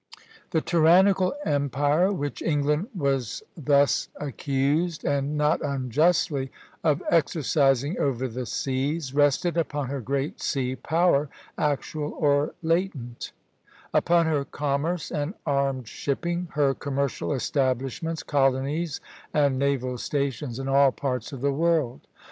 The tyrannical empire which England was thus accused, and not unjustly, of exercising over the seas, rested upon her great sea power, actual or latent; upon her commerce and armed shipping, her commercial establishments, colonies, and naval stations in all parts of the world.